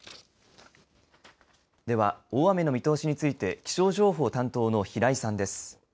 では、大雨の見通しについて気象情報担当の平井さんです。